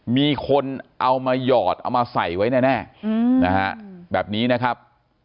มีคนเอามาหยอดเอามาใส่ไว้แน่นะฮะแบบนี้นะครับ